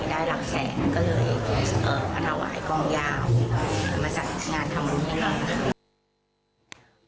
ได้หลักแสนก็เลยเอ่อมันเอาไหว้กองยาวมาสั่งงานทำงานให้ด้วย